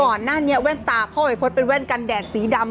ก่อนหน้านี้แว่นตาพ่อวัยพฤษเป็นแว่นกันแดดสีดำ